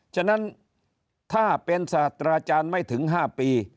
ฉะนั้นถ้าเป็นศาสตราจารย์ไม่ถึง๕ปี